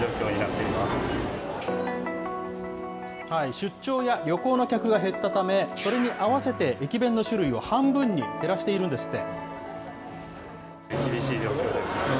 出張や旅行の客が減ったため、それに合わせて駅弁の種類を半分に減らしているんですって。